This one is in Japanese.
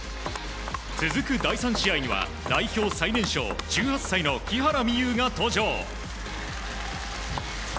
続く第３試合には代表最年少１８歳の木原美悠が登場。